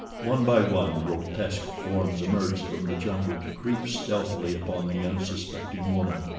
One by one grotesque forms emerged from the jungle to creep stealthily upon the unsuspecting woman.